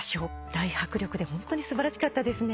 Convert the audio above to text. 大迫力でホントに素晴らしかったですね。